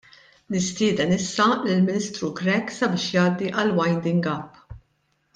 Nistieden issa lill-Ministru Grech sabiex jgħaddi għall-winding - up.